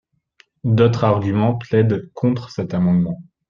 D’autres arguments plaident contre cet amendement.